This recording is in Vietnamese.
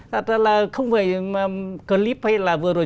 thật ra là không phải clip hay là vừa rồi